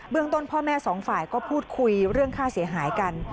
ต้นพ่อแม่สองฝ่ายก็พูดคุยเรื่องค่าเสียหายกัน